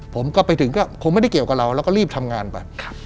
ผมก็ไปถึงก็คงไม่ได้เกี่ยวกับเราแล้วก็รีบทำงานไป